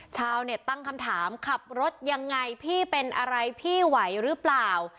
ชาวเน็ตตั้งคำถามขับรถยังไงพี่เป็นอะไรพี่ไหวหรือเปล่า